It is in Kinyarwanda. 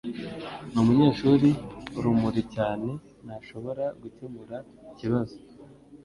Numunyeshuri urumuri cyane ntashobora gukemura ikibazo.